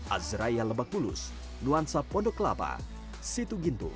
azraya lebak bulus nuansa pondok kelapa situ gintu